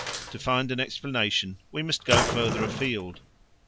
To find an explanation we must go farther afield.